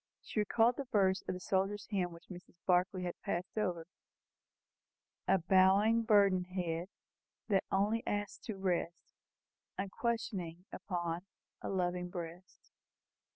She recalled the verse of the soldier's hymn which Mrs. Barclay had passed over "A bowing, burdened head, That only asks to rest, Unquestioning, upon A loving breast."